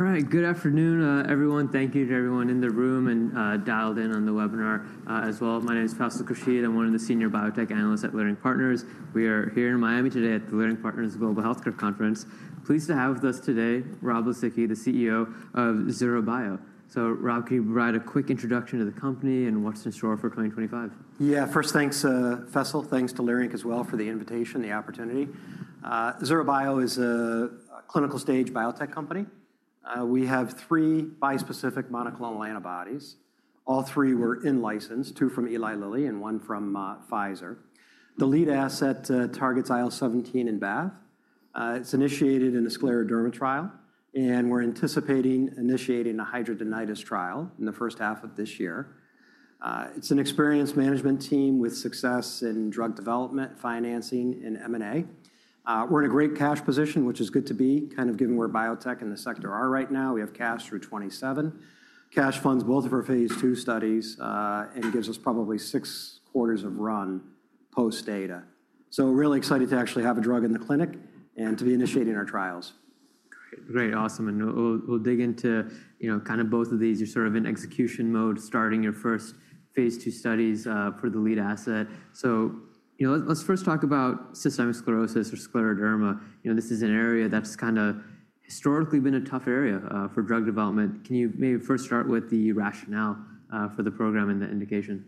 All right, good afternoon, everyone. Thank you to everyone in the room and dialed in on the webinar as well. My name is Faisal Khurshid. I'm one of the senior biotech analysts at Leerink Partners. We are here in Miami today at the Leerink Partners Global Healthcare Conference. Pleased to have with us today, Rob Lisicki, the CEO of Zura Bio. Rob, can you provide a quick introduction to the company and what's in store for 2025? Yeah, first, thanks, Faisal. Thanks to Leerink Partners as well for the invitation, the opportunity. Zura Bio is a clinical-stage biotech company. We have three bispecific monoclonal antibodies. All three were in-licensed, two from Eli Lilly and one from Pfizer. The lead asset targets IL-17 and BAFF. It's initiated in a scleroderma trial, and we're anticipating initiating a hidradenitis trial in the first half of this year. It's an experienced management team with success in drug development, financing, and M&A. We're in a great cash position, which is good to be, kind of given where biotech and the sector are right now. We have cash through 2027. Cash funds both of our phase II studies and gives us probably six quarters of run post-data. Really excited to actually have a drug in the clinic and to be initiating our trials. Great, great, awesome. We'll dig into kind of both of these. You're sort of in execution mode, starting your first phase II studies for the lead asset. Let's first talk about systemic sclerosis or scleroderma. This is an area that's kind of historically been a tough area for drug development. Can you maybe first start with the rationale for the program and the indication?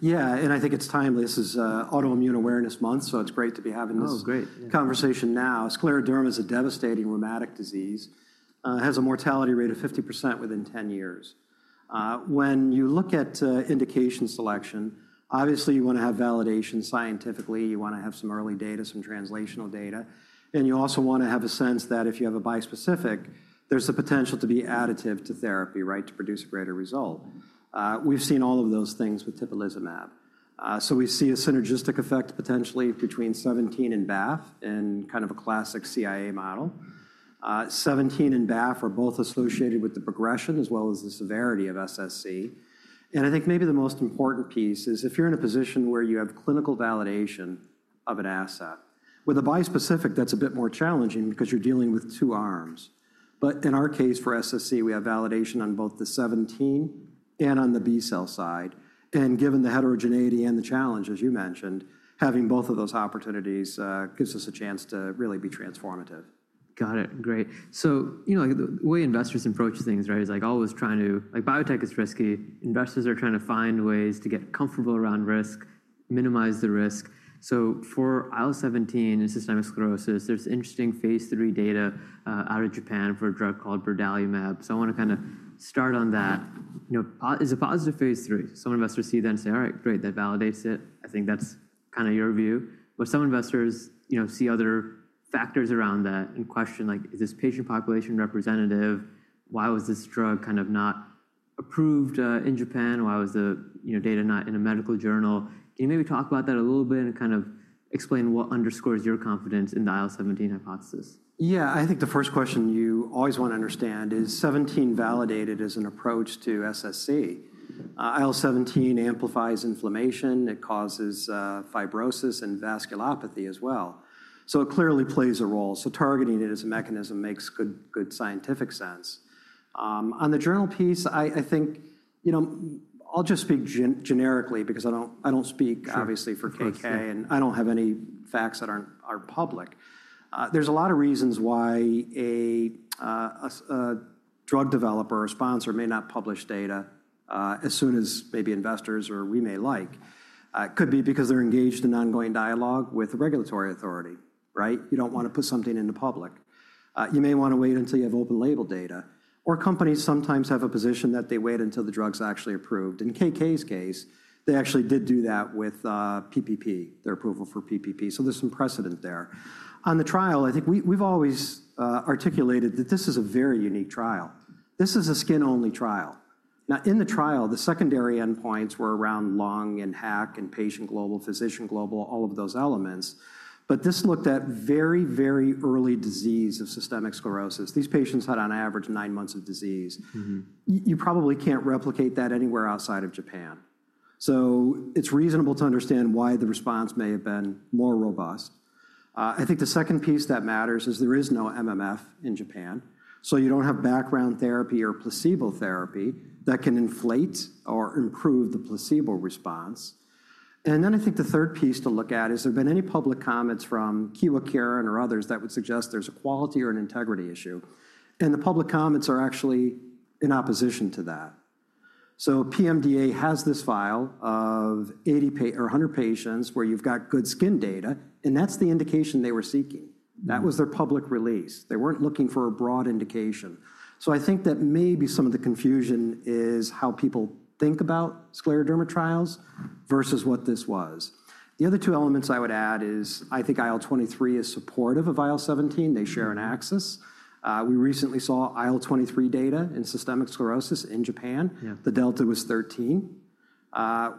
Yeah, and I think it's timely. This is Autoimmune Awareness Month, so it's great to be having this conversation now. Scleroderma is a devastating rheumatic disease. It has a mortality rate of 50% within 10 years. When you look at indication selection, obviously, you want to have validation scientifically. You want to have some early data, some translational data. You also want to have a sense that if you have a bispecific, there's the potential to be additive to therapy, right, to produce a greater result. We've seen all of those things with tibulizumab. We see a synergistic effect potentially between IL-17 and BAFF in kind of a classic CIA model. IL-17 and BAFF are both associated with the progression as well as the severity of SSc. I think maybe the most important piece is if you're in a position where you have clinical validation of an asset. With a bispecific, that's a bit more challenging because you're dealing with two arms. In our case, for SSc, we have validation on both the 17 and on the B cell side. Given the heterogeneity and the challenge, as you mentioned, having both of those opportunities gives us a chance to really be transformative. Got it. Great. You know, the way investors approach things, right, is like always trying to, like, biotech is risky. Investors are trying to find ways to get comfortable around risk, minimize the risk. For IL-17 and systemic sclerosis, there's interesting phase III data out of Japan for a drug called brodalumab. I want to kind of start on that. Is it positive phase III? Some investors see that and say, "All right, great, that validates it." I think that's kind of your view. Some investors see other factors around that and question, like, "Is this patient population representative? Why was this drug kind of not approved in Japan? Why was the data not in a medical journal?" Can you maybe talk about that a little bit and kind of explain what underscores your confidence in the IL-17 hypothesis? Yeah, I think the first question you always want to understand is 17 validated as an approach to SSc. IL-17 amplifies inflammation. It causes fibrosis and vasculopathy as well. It clearly plays a role. Targeting it as a mechanism makes good scientific sense. On the journal piece, I think, you know, I'll just speak generically because I don't speak obviously for KK, and I don't have any facts that aren't public. There are a lot of reasons why a drug developer or sponsor may not publish data as soon as maybe investors or we may like. It could be because they're engaged in ongoing dialogue with a regulatory authority, right? You don't want to put something into public. You may want to wait until you have open label data. Companies sometimes have a position that they wait until the drug's actually approved. In KK case, they actually did do that with PPP, their approval for PPP. There is some precedent there. On the trial, I think we've always articulated that this is a very unique trial. This is a skin-only trial. In the trial, the secondary endpoints were around lung and HAQ and patient global, physician global, all of those elements. This looked at very, very early disease of systemic sclerosis. These patients had, on average, nine months of disease. You probably can't replicate that anywhere outside of Japan. It is reasonable to understand why the response may have been more robust. I think the second piece that matters is there is no MMF in Japan. You don't have background therapy or placebo therapy that can inflate or improve the placebo response. I think the third piece to look at is, have there been any public comments from Kyowa Kirin or others that would suggest there's a quality or an integrity issue? The public comments are actually in opposition to that. PMDA has this file of 80 or 100 patients where you've got good skin data, and that's the indication they were seeking. That was their public release. They weren't looking for a broad indication. I think that maybe some of the confusion is how people think about scleroderma trials versus what this was. The other two elements I would add is, I think IL-23 is supportive of IL-17. They share an axis. We recently saw IL-23 data in systemic sclerosis in Japan. The delta was 13.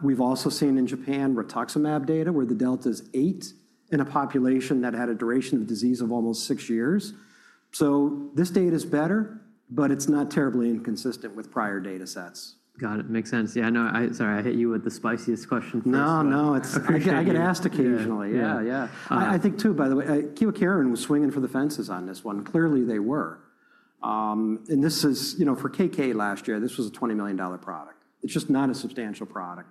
We've also seen in Japan rituximab data where the delta is 8 in a population that had a duration of disease of almost six years. This data is better, but it's not terribly inconsistent with prior data sets. Got it. Makes sense. Yeah, I know. Sorry, I hit you with the spiciest question first. No, no, it's appreciated. I get asked occasionally. Yeah, yeah. I think too, by the way, Kyowa Kirin was swinging for the fences on this one. Clearly, they were. This is, you know, for Kyowa Kirin last year, this was a $20 million product. It's just not a substantial product.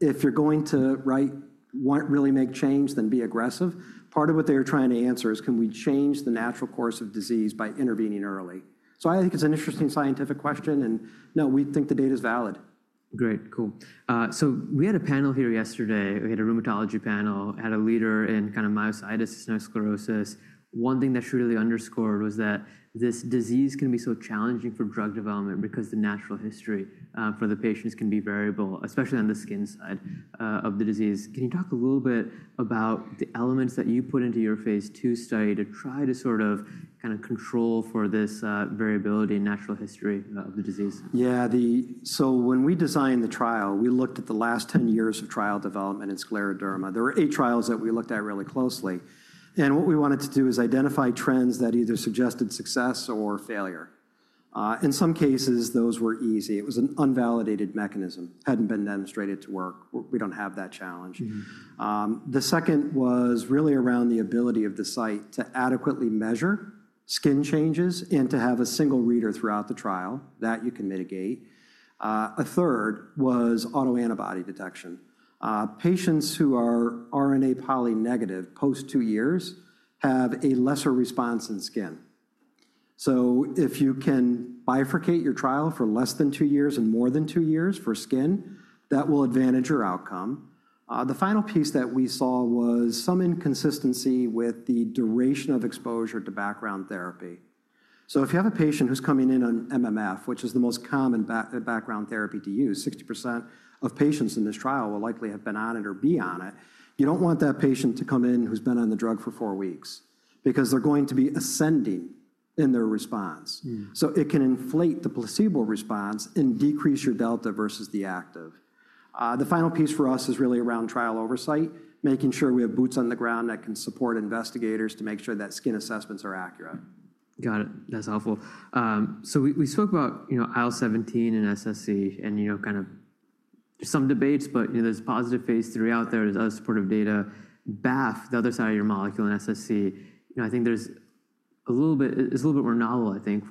If you're going to, right, want to really make change, then be aggressive. Part of what they were trying to answer is, can we change the natural course of disease by intervening early? I think it's an interesting scientific question. No, we think the data is valid. Great, cool. We had a panel here yesterday. We had a rheumatology panel, had a leader in kind of myositis and sclerosis. One thing that she really underscored was that this disease can be so challenging for drug development because the natural history for the patients can be variable, especially on the skin side of the disease. Can you talk a little bit about the elements that you put into your phase II study to try to sort of kind of control for this variability in natural history of the disease? Yeah, so when we designed the trial, we looked at the last 10 years of trial development in scleroderma. There were eight trials that we looked at really closely. What we wanted to do is identify trends that either suggested success or failure. In some cases, those were easy. It was an unvalidated mechanism. Hadn't been demonstrated to work. We don't have that challenge. The second was really around the ability of the site to adequately measure skin changes and to have a single reader throughout the trial that you can mitigate. A third was autoantibody detection. Patients who are RNA polymerase III-negative post two years have a lesser response in skin. If you can bifurcate your trial for less than two years and more than two years for skin, that will advantage your outcome. The final piece that we saw was some inconsistency with the duration of exposure to background therapy. If you have a patient who's coming in on MMF, which is the most common background therapy to use, 60% of patients in this trial will likely have been on it or be on it. You don't want that patient to come in who's been on the drug for four weeks because they're going to be ascending in their response. It can inflate the placebo response and decrease your delta versus the active. The final piece for us is really around trial oversight, making sure we have boots on the ground that can support investigators to make sure that skin assessments are accurate. Got it. That's helpful. We spoke about IL-17 and SSc and kind of some debates, but there's positive phase III out there. There's other supportive data. BAFF, the other side of your molecule in SSc, I think there's a little bit, it's a little bit more novel, I think,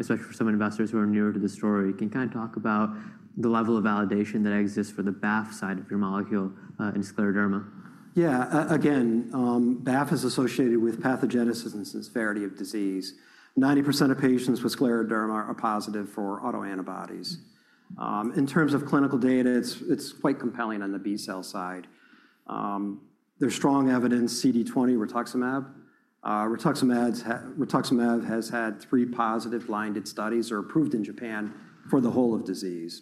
especially for some investors who are newer to the story. Can you kind of talk about the level of validation that exists for the BAFF side of your molecule in scleroderma? Yeah, again, BAFF is associated with pathogenesis and severity of disease. 90% of patients with scleroderma are positive for autoantibodies. In terms of clinical data, it's quite compelling on the B cell side. There's strong evidence, CD20, rituximab. Rituximab has had three positive blinded studies or approved in Japan for the whole of disease.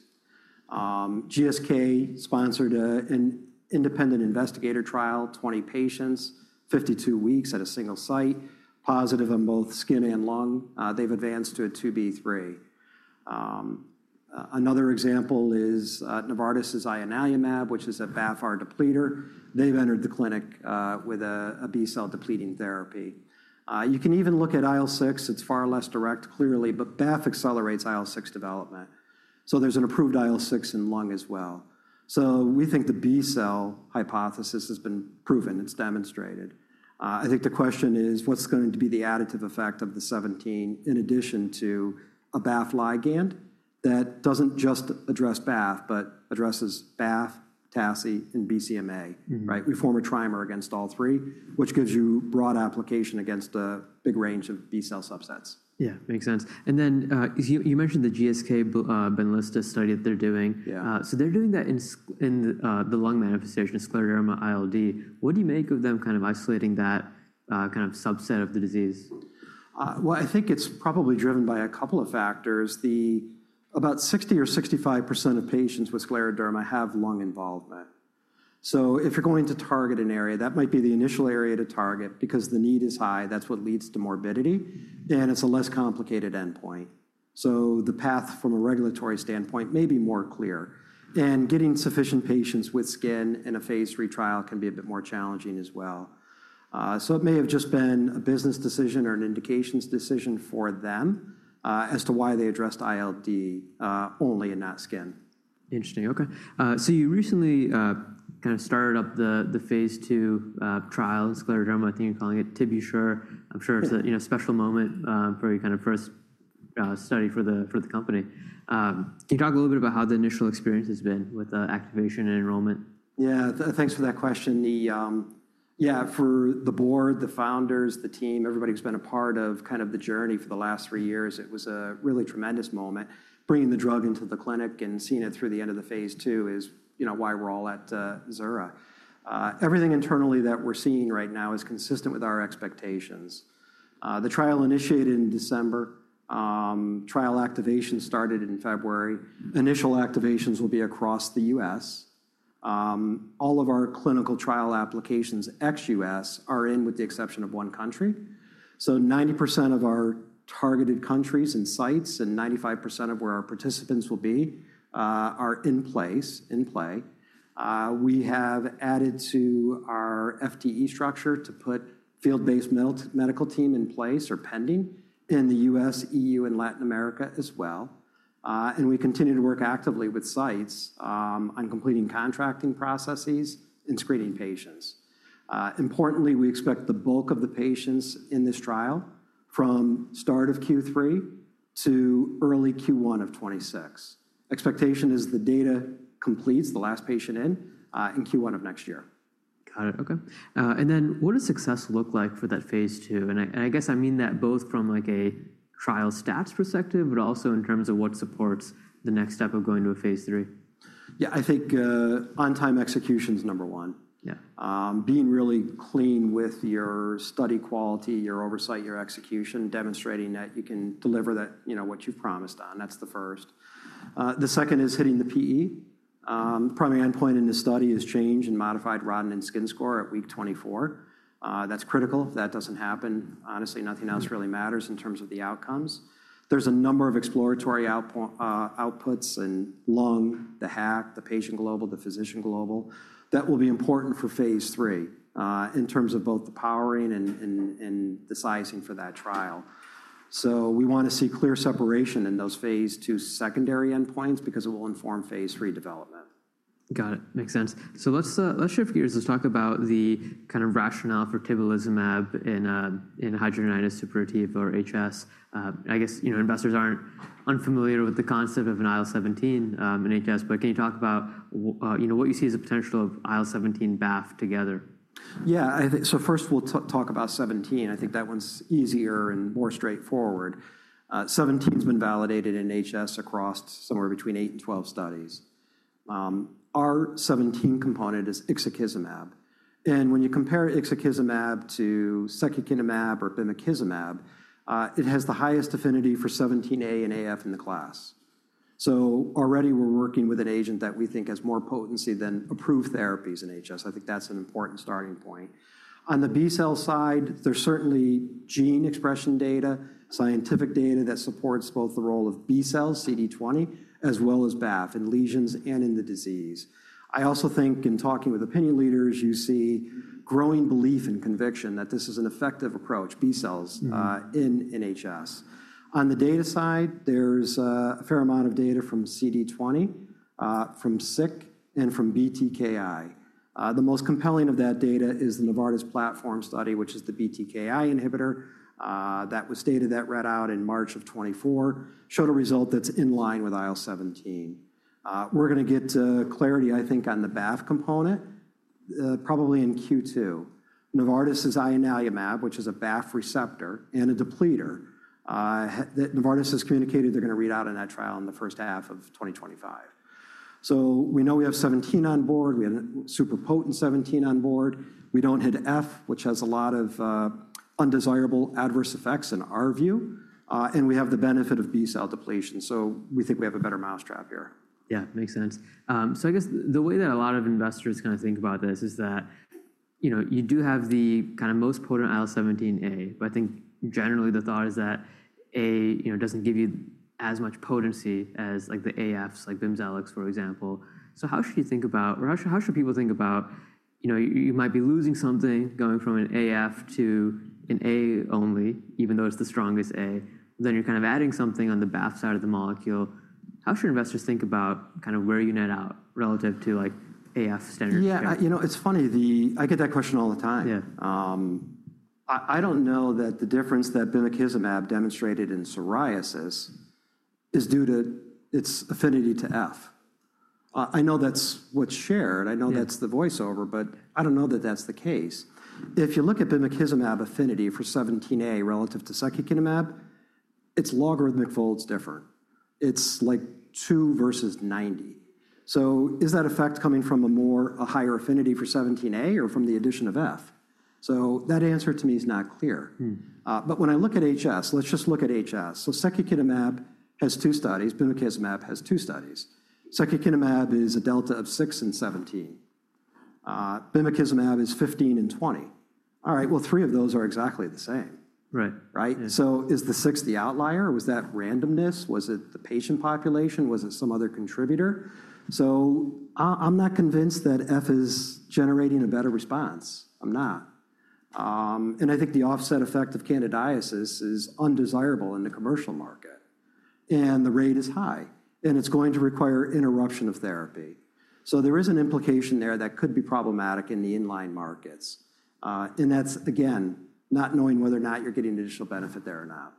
GSK sponsored an independent investigator trial, 20 patients, 52 weeks at a single site, positive on both skin and lung. They've advanced to a 2b3. Another example is Novartis's ianalumab, which is a BAFF-R depleter. They've entered the clinic with a B cell depleting therapy. You can even look at IL-6. It's far less direct, clearly, but BAFF accelerates IL-6 development. There's an approved IL-6 in lung as well. We think the B cell hypothesis has been proven. It's demonstrated. I think the question is, what's going to be the additive effect of the 17 in addition to a BAFF ligand that doesn't just address BAFF, but addresses BAFF, TACI, and BCMA, right? We form a trimer against all three, which gives you broad application against a big range of B cell subsets. Yeah, makes sense. You mentioned the GSK Benlysta study that they're doing. They're doing that in the lung manifestation, scleroderma ILD. What do you make of them kind of isolating that kind of subset of the disease? I think it's probably driven by a couple of factors. About 60% or 65% of patients with scleroderma have lung involvement. If you're going to target an area, that might be the initial area to target because the need is high. That's what leads to morbidity. It's a less complicated endpoint. The path from a regulatory standpoint may be more clear. Getting sufficient patients with skin in a phase three trial can be a bit more challenging as well. It may have just been a business decision or an indications decision for them as to why they addressed ILD only in that skin. Interesting. Okay. You recently kind of started up the phase II trial in scleroderma. I think you're calling it TibuSURE. I'm sure it's a special moment for your kind of first study for the company. Can you talk a little bit about how the initial experience has been with activation and enrollment? Yeah, thanks for that question. Yeah, for the board, the founders, the team, everybody who's been a part of kind of the journey for the last three years, it was a really tremendous moment. Bringing the drug into the clinic and seeing it through the end of the phase II is why we're all at Zura Bio. Everything internally that we're seeing right now is consistent with our expectations. The trial initiated in December. Trial activation started in February. Initial activations will be across the US. All of our clinical trial applications ex-US are in with the exception of one country. 90% of our targeted countries and sites and 95% of where our participants will be are in place, in play. We have added to our FTE structure to put field-based medical team in place or pending in the U.S., EU, and Latin America as well. We continue to work actively with sites on completing contracting processes and screening patients. Importantly, we expect the bulk of the patients in this trial from start of Q3 to early Q1 of 2026. Expectation is the data completes, the last patient in, in Q1 of next year. Got it. Okay. What does success look like for that phase II? I guess I mean that both from like a trial stats perspective, but also in terms of what supports the next step of going to a phase III. Yeah, I think on-time execution is number one. Being really clean with your study quality, your oversight, your execution, demonstrating that you can deliver that, you know, what you've promised on. That's the first. The second is hitting the PE. The primary endpoint in this study is change in Modified Rodnan Skin Score at week 24. That's critical. If that doesn't happen, honestly, nothing else really matters in terms of the outcomes. There's a number of exploratory outputs in lung, the HAQ, the patient global, the physician global that will be important for phase III in terms of both the powering and the sizing for that trial. We want to see clear separation in those phase II secondary endpoints because it will inform phase III development. Got it. Makes sense. Let's shift gears and talk about the kind of rationale for tibulizumab in hidradenitis suppurativa or HS. I guess, you know, investors aren't unfamiliar with the concept of an IL-17 in HS, but can you talk about, you know, what you see as a potential of IL-17 BAFF together? Yeah, I think so first we'll talk about 17. I think that one's easier and more straightforward. 17 has been validated in HS across somewhere between 8 and 12 studies. Our 17 component is ixekizumab. And when you compare ixekizumab to secukinumab or bimekizumab, it has the highest affinity for 17A and AF in the class. So, already we're working with an agent that we think has more potency than approved therapies in HS. I think that's an important starting point. On the B cell side, there's certainly gene expression data, scientific data that supports both the role of B cells, CD20, as well as BAFF in lesions and in the disease. I also think in talking with opinion leaders, you see growing belief and conviction that this is an effective approach, B cells in HS. On the data side, there's a fair amount of data from CD20, from SSc, and from BTK inhibitor. The most compelling of that data is the Novartis platform study, which is the BTK inhibitor that was stated that read out in March of 2024 showed a result that's in line with IL-17. We're going to get clarity, I think, on the BAFF component probably in Q2. Novartis is ianalumab, which is a BAFF receptor and a depleter that Novartis has communicated they're going to read out in that trial in the first half of 2025. We know we have 17 on board. We have a super potent 17 on board. We don't hit F, which has a lot of undesirable adverse effects in our view. We have the benefit of B cell depletion. We think we have a better mousetrap here. Yeah, makes sense. I guess the way that a lot of investors kind of think about this is that, you know, you do have the kind of most potent IL-17A, but I think generally the thought is that A, you know, does not give you as much potency as like the AFs, like Bimekizumab, for example. How should you think about, or how should people think about, you might be losing something going from an AF to an A only, even though it is the strongest A, then you are kind of adding something on the BAFF side of the molecule. How should investors think about kind of where you net out relative to like AF standard? Yeah, you know, it's funny. I get that question all the time. I don't know that the difference that bimekizumab demonstrated in psoriasis is due to its affinity to F. I know that's what's shared. I know that's the voiceover, but I don't know that that's the case. If you look at bimekizumab affinity for 17A relative to secukinumab, its logarithmic fold's different. It's like 2 versus 90. Is that effect coming from a higher affinity for 17A or from the addition of F? That answer to me is not clear. When I look at HS, let's just look at HS. Secukinumab has two studies. Bimekizumab has two studies. Secukinumab is a delta of 6 and 17. Bimekizumab is 15 and 20. All right, three of those are exactly the same. Right? Right? Is the 6 the outlier? Was that randomness? Was it the patient population? Was it some other contributor? I'm not convinced that F is generating a better response. I'm not. I think the offset effect of candidiasis is undesirable in the commercial market. The rate is high. It is going to require interruption of therapy. There is an implication there that could be problematic in the inline markets. That is, again, not knowing whether or not you're getting additional benefit there or not.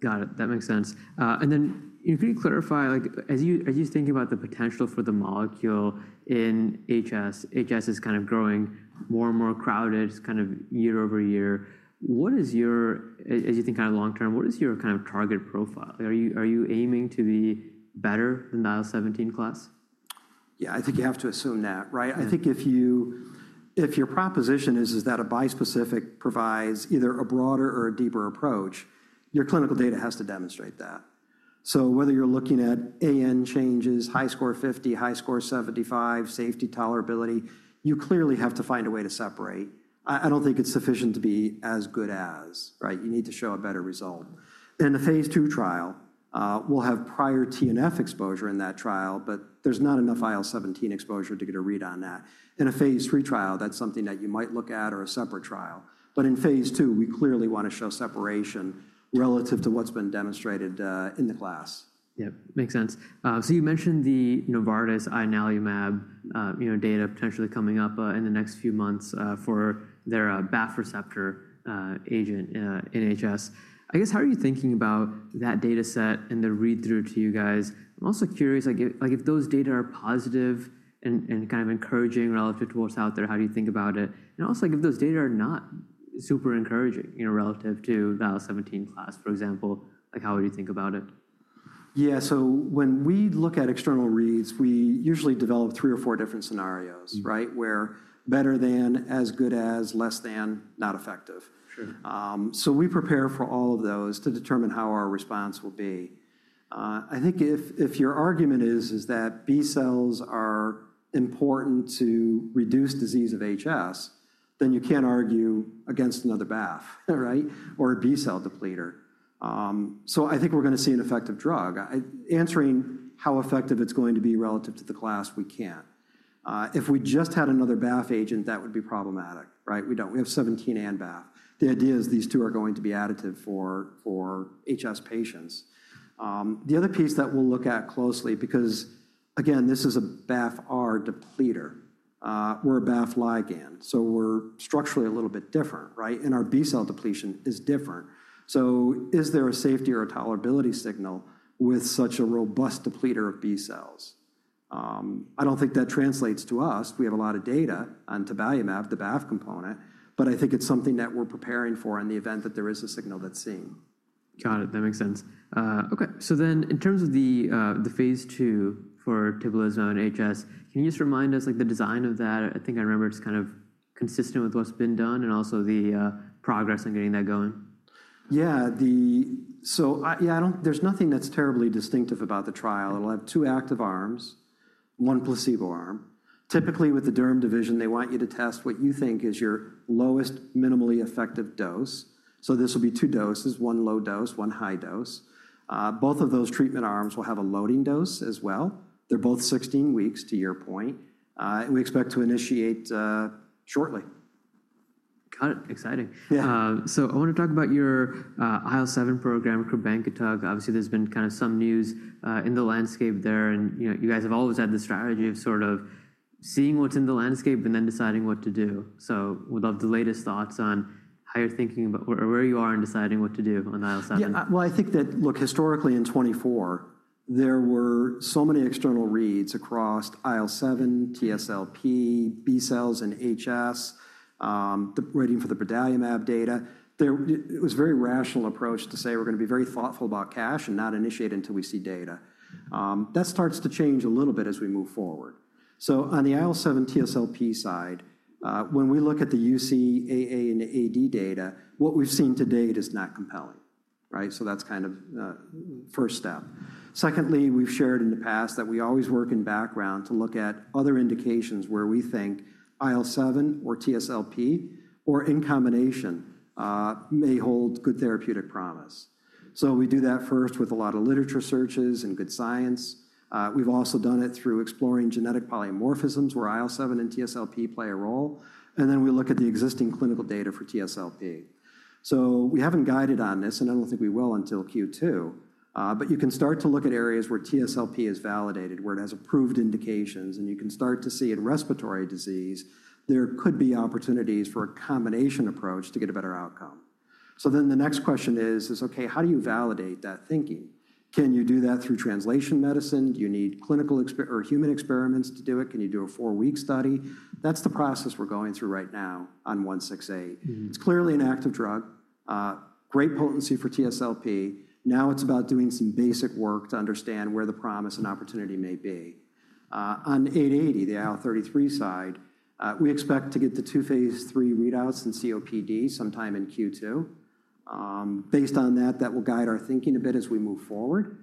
Got it. That makes sense. You know, could you clarify, like, as you think about the potential for the molecule in HS, HS is kind of growing more and more crowded, kind of year-over-year. What is your, as you think kind of long term, what is your kind of target profile? Are you aiming to be better than the IL-17 class? Yeah, I think you have to assume that, right? I think if your proposition is, is that a bispecific provides either a broader or a deeper approach, your clinical data has to demonstrate that. Whether you're looking at AN changes, HiSCR 50, HiSCR 75, safety tolerability, you clearly have to find a way to separate. I don't think it's sufficient to be as good as, right? You need to show a better result. In the phase II trial, we'll have prior TNF exposure in that trial, but there's not enough IL-17 exposure to get a read on that. In a phase III trial, that's something that you might look at or a separate trial. In phase II, we clearly want to show separation relative to what's been demonstrated in the class. Yeah, makes sense. You mentioned the Novartis ianalumab data potentially coming up in the next few months for their BAFF receptor agent in HS. I guess, how are you thinking about that data set and the read-through to you guys? I'm also curious, like, if those data are positive and kind of encouraging relative to what's out there, how do you think about it? Also, like, if those data are not super encouraging, you know, relative to the IL-17 class, for example, like, how would you think about it? Yeah, so when we look at external reads, we usually develop three or four different scenarios, right? Where better than, as good as, less than, not effective. Sure. We prepare for all of those to determine how our response will be. I think if your argument is that B cells are important to reduce disease of HS, then you can't argue against another BAFF, right? Or a B cell depleter. I think we're going to see an effective drug. Answering how effective it's going to be relative to the class, we can't. If we just had another BAFF agent, that would be problematic, right? We don't. We have 17 and BAFF. The idea is these two are going to be additive for HS patients. The other piece that we'll look at closely, because again, this is a BAFF-R depleter. We're a BAFF ligand. We're structurally a little bit different, right? Our B cell depletion is different. Is there a safety or a tolerability signal with such a robust depleter of B cells? I don't think that translates to us. We have a lot of data on tibulizumab, the BAFF component, but I think it's something that we're preparing for in the event that there is a signal that's seen. Got it. That makes sense. Okay. In terms of the phase II for tibulizumab in HS, can you just remind us, like, the design of that? I think I remember it's kind of consistent with what's been done and also the progress on getting that going. Yeah, there's nothing that's terribly distinctive about the trial. It'll have two active arms, one placebo arm. Typically, with the derm division, they want you to test what you think is your lowest, minimally effective dose. This will be two doses, one low dose, one high dose. Both of those treatment arms will have a loading dose as well. They're both 16 weeks to your point. We expect to initiate shortly. Got it. Exciting. I want to talk about your IL-7 program for crebankitug. Obviously, there's been kind of some news in the landscape there. You guys have always had the strategy of sort of seeing what's in the landscape and then deciding what to do. We'd love the latest thoughts on how you're thinking about where you are in deciding what to do on IL-7. Yeah, I think that, look, historically in 2024, there were so many external reads across IL-7, TSLP, B cells in HS, waiting for the bimab data. It was a very rational approach to say we're going to be very thoughtful about cash and not initiate until we see data. That starts to change a little bit as we move forward. On the IL-7 TSLP side, when we look at the UC, AA and AD data, what we've seen to date is not compelling, right? That's kind of the first step. Secondly, we've shared in the past that we always work in background to look at other indications where we think IL-7 or TSLP or in combination may hold good therapeutic promise. We do that first with a lot of literature searches and good science. We've also done it through exploring genetic polymorphisms where IL-7 and TSLP play a role. Then we look at the existing clinical data for TSLP. We haven't guided on this, and I don't think we will until Q2. You can start to look at areas where TSLP is validated, where it has approved indications, and you can start to see in respiratory disease, there could be opportunities for a combination approach to get a better outcome. The next question is, okay, how do you validate that thinking? Can you do that through translation medicine? Do you need clinical or human experiments to do it? Can you do a four-week study? That's the process we're going through right now on 168. It's clearly an active drug, great potency for TSLP. Now it's about doing some basic work to understand where the promise and opportunity may be. On 880, the IL-33 side, we expect to get the two phase III readouts in COPD sometime in Q2. Based on that, that will guide our thinking a bit as we move forward.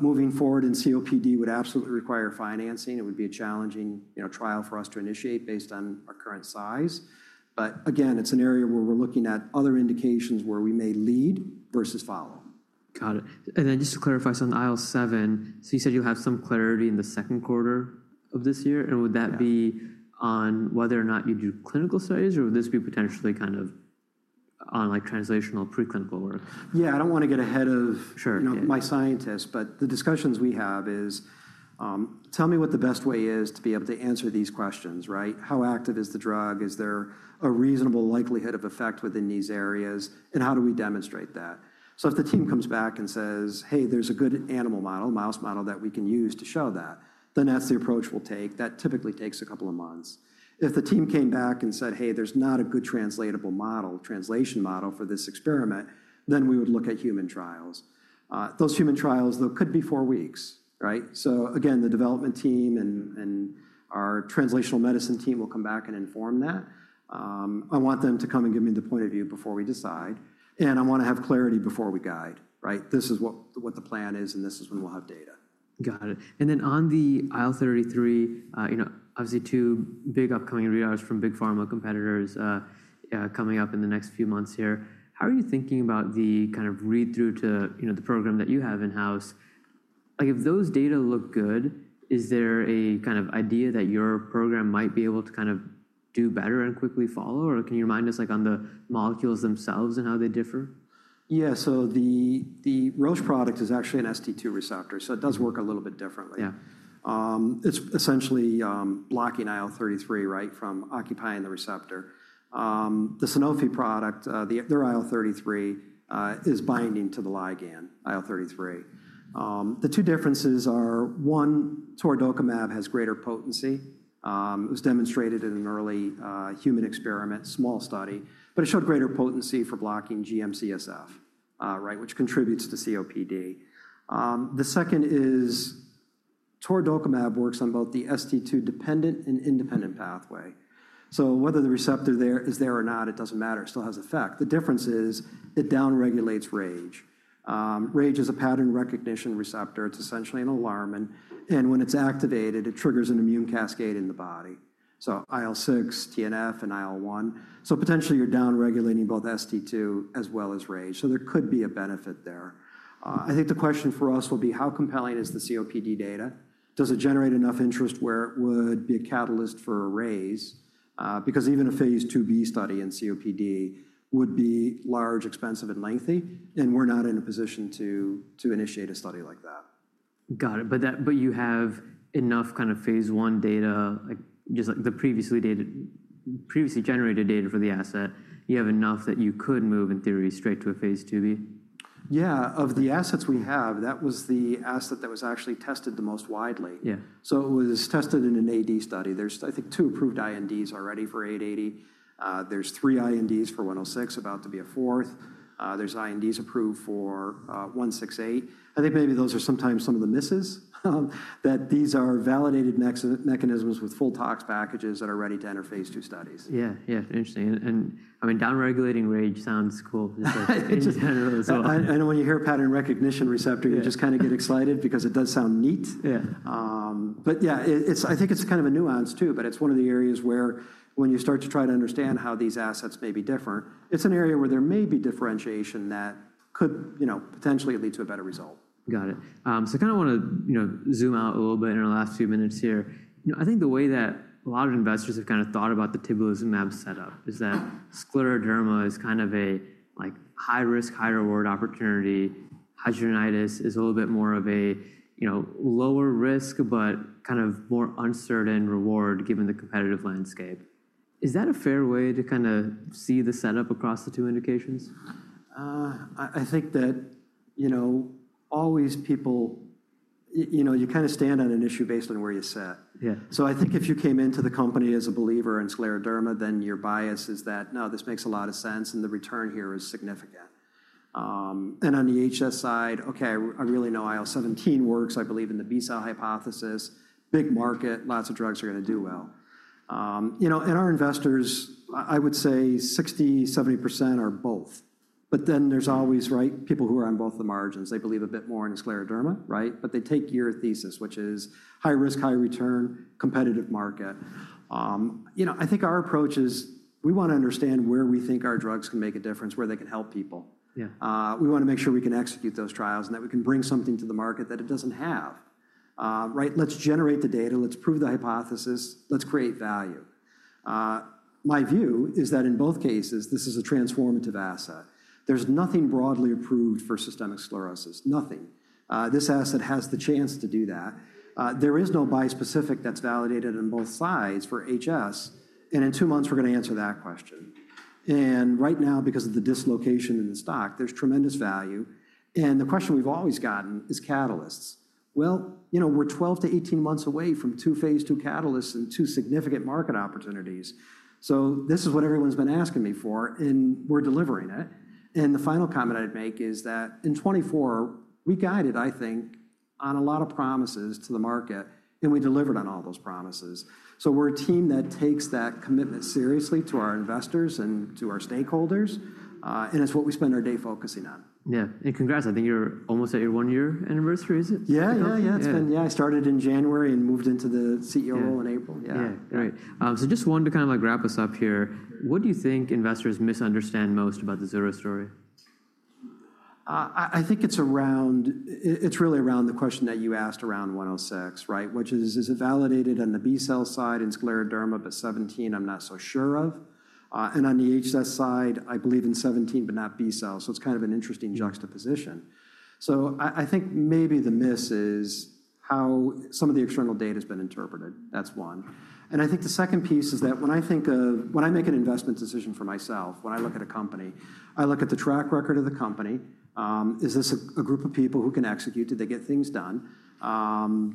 Moving forward in COPD would absolutely require financing. It would be a challenging trial for us to initiate based on our current size. Again, it's an area where we're looking at other indications where we may lead versus follow. Got it. Just to clarify on IL-7, you said you'll have some clarity in the second quarter of this year. Would that be on whether or not you do clinical studies, or would this be potentially kind of on like translational preclinical work? Yeah, I don't want to get ahead of my scientists, but the discussions we have is tell me what the best way is to be able to answer these questions, right? How active is the drug? Is there a reasonable likelihood of effect within these areas? How do we demonstrate that? If the team comes back and says, hey, there's a good animal model, mouse model that we can use to show that, then that's the approach we'll take. That typically takes a couple of months. If the team came back and said, hey, there's not a good translatable model, translation model for this experiment, then we would look at human trials. Those human trials, though, could be four weeks, right? Again, the development team and our translational medicine team will come back and inform that. I want them to come and give me the point of view before we decide. I want to have clarity before we guide, right? This is what the plan is, and this is when we'll have data. Got it. And then on the IL-33, you know, obviously two big upcoming readouts from big pharma competitors coming up in the next few months here. How are you thinking about the kind of read-through to the program that you have in-house? Like, if those data look good, is there a kind of idea that your program might be able to kind of do better and quickly follow? Or can you remind us, like, on the molecules themselves and how they differ? Yeah, so the Roche product is actually an ST2 receptor. It does work a little bit differently. It's essentially blocking IL-33, right, from occupying the receptor. The Sanofi product, their IL-33 is binding to the ligand, IL-33. The two differences are, one, torudokimab has greater potency. It was demonstrated in an early human experiment, small study, but it showed greater potency for blocking GM-CSF, right, which contributes to COPD. The second is torudokimab works on both the ST2 dependent and independent pathway. Whether the receptor is there or not, it doesn't matter. It still has effect. The difference is it downregulates RAGE. RAGE is a pattern recognition receptor. It's essentially an alarm and when it's activated, it triggers an immune cascade in the body. IL-6, TNF, and IL-1. Potentially you're downregulating both ST2 as well as RAGE. There could be a benefit there. I think the question for us will be, how compelling is the COPD data? Does it generate enough interest where it would be a catalyst for a raise? Because even a Phase 2b study in COPD would be large, expensive, and lengthy, and we're not in a position to initiate a study like that. Got it. You have enough kind of phase I data, just like the previously generated data for the asset, you have enough that you could move in theory straight to a Phase 2b? Yeah, of the assets we have, that was the asset that was actually tested the most widely. It was tested in an AD study. There's, I think, two approved INDs already for 880. There's three INDs for 106, about to be a fourth. There's INDs approved for 168. I think maybe those are sometimes some of the misses, that these are validated mechanisms with full tox packages that are ready to enter phase II studies. Yeah, yeah, interesting. I mean, downregulating RAGE sounds cool in general. When you hear pattern recognition receptor, you just kind of get excited because it does sound neat. Yeah, I think it's kind of a nuance too, but it's one of the areas where when you start to try to understand how these assets may be different, it's an area where there may be differentiation that could, you know, potentially lead to a better result. Got it. I kind of want to, you know, zoom out a little bit in our last few minutes here. I think the way that a lot of investors have kind of thought about the tibulizumab setup is that scleroderma is kind of a, like, high-risk, high-reward opportunity. Hidradenitis is a little bit more of a, you know, lower risk, but kind of more uncertain reward given the competitive landscape. Is that a fair way to kind of see the setup across the two indications? I think that, you know, always people, you know, you kind of stand on an issue based on where you sit. I think if you came into the company as a believer in scleroderma, then your bias is that, no, this makes a lot of sense and the return here is significant. On the HS side, okay, I really know IL-17 works, I believe in the B cell hypothesis, big market, lots of drugs are going to do well. You know, and our investors, I would say 60-70% are both. There are always, right, people who are on both the margins. They believe a bit more in scleroderma, right? They take your thesis, which is high risk, high return, competitive market. You know, I think our approach is we want to understand where we think our drugs can make a difference, where they can help people. We want to make sure we can execute those trials and that we can bring something to the market that it doesn't have, right? Let's generate the data, let's prove the hypothesis, let's create value. My view is that in both cases, this is a transformative asset. There's nothing broadly approved for systemic sclerosis, nothing. This asset has the chance to do that. There is no bispecific that's validated on both sides for HS. In two months, we're going to answer that question. Right now, because of the dislocation in the stock, there's tremendous value. The question we've always gotten is catalysts. You know, we're 12-18 months away from two phase II catalysts and two significant market opportunities. This is what everyone's been asking me for, and we're delivering it. The final comment I'd make is that in 2024, we guided, I think, on a lot of promises to the market, and we delivered on all those promises. We're a team that takes that commitment seriously to our investors and to our stakeholders. It's what we spend our day focusing on. Yeah. Congrats. I think you're almost at your one-year anniversary, is it? Yeah, I started in January and moved into the CEO role in April. Yeah. Yeah, great. Just one to kind of like wrap us up here. What do you think investors misunderstand most about the Zura story? I think it's around, it's really around the question that you asked around 106, right? Which is, is it validated on the B cell side in scleroderma, but 17, I'm not so sure of. And on the HS side, I believe in 17, but not B cell. It's kind of an interesting juxtaposition. I think maybe the miss is how some of the external data has been interpreted. That's one. I think the second piece is that when I think of, when I make an investment decision for myself, when I look at a company, I look at the track record of the company. Is this a group of people who can execute? Did they get things done?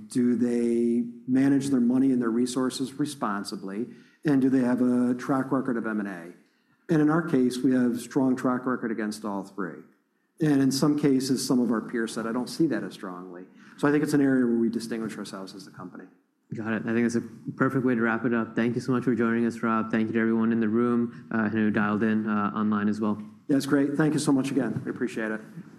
Do they manage their money and their resources responsibly? Do they have a track record of M&A? In our case, we have a strong track record against all three. In some cases, some of our peers said, I don't see that as strongly. I think it's an area where we distinguish ourselves as a company. Got it. I think that's a perfect way to wrap it up. Thank you so much for joining us, Rob. Thank you to everyone in the room who dialed in online as well. Yeah, it's great. Thank you so much again. We appreciate it.